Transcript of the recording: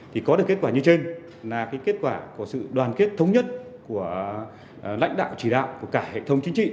thì có được kết quả như trên là cái kết quả của sự đoàn kết thống nhất của lãnh đạo chỉ đạo của cả hệ thống chính trị